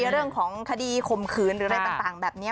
เรื่องของคดีข่มขืนหรืออะไรต่างแบบนี้